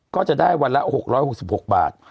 ก็จะได้วันละ๖๖บาท